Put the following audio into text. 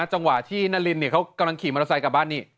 จังหวะที่นารินเขากำลังขี่มอเตอร์ไซค์กลับบ้านนี่